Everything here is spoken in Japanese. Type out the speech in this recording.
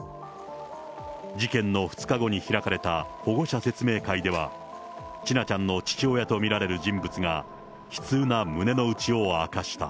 事件の２日後に開かれた保護者説明会では、千奈ちゃんの父親と見られる人物が、悲痛な胸の内を明かした。